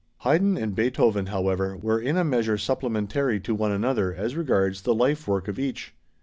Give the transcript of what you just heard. Haydn and Beethoven, however, were in a measure supplementary to one another as regards the life work of each.